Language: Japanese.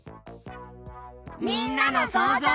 みんなのそうぞう。